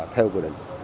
theo quyền định